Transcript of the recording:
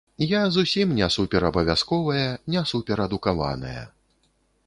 Я зусім не суперабавязковая, не суперадукаваная.